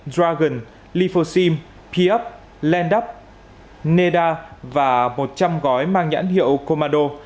dragon liphosym peup lendup neda và một trăm linh gói mang nhãn hiệu comado